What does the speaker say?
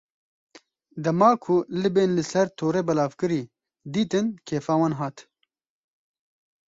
Dema ku libên li ser torê belavkirî, dîtin kêfa wan hat.